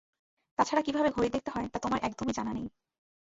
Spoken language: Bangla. তাছাড়া কীভাবে ঘড়ি দেখতে হয়, তা তোমার একদমই জানা নেই।